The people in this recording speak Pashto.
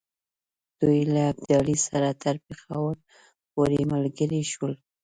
دوی له ابدالي سره تر پېښور پوري ملګري شول.